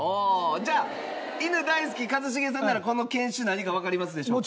じゃあ犬大好き一茂さんならこの犬種何かわかりますでしょうか？